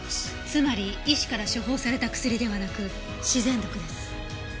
つまり医師から処方された薬ではなく自然毒です。